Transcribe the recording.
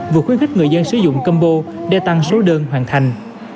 vừa khuyến khích người dân sử dụng combo để tăng số đơn hoàn thành